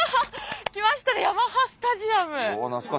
来ましたねヤマハスタジアム。